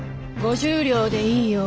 ５０両でいいよ。